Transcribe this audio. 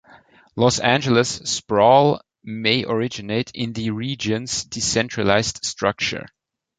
Los Angeles' sprawl may originate in the region's decentralized structure.